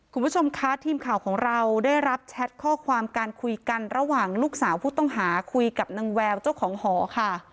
คุณผู้ชมคะทีมข่าวของเราได้รับแชทข้อความการคุยกันระหว่างลูกสาวผู้ต้องหาคุยกับนางแววเจ้าของหอค่ะ